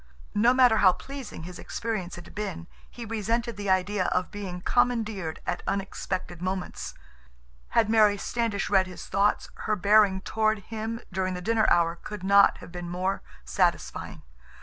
No matter how pleasing his experience had been, he resented the idea of being commandeered at unexpected moments. Had Mary Standish read his thoughts, her bearing toward him during the dinner hour could not have been more satisfying.